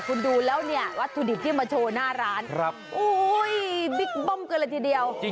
คุณดูแล้วเนี่ยวัตถุดิบที่มาโชว์หน้าร้านอุ้ยบิ๊กเบิ้มกันเลยทีเดียว